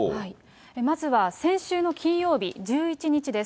まずは先週の金曜日、１１日です。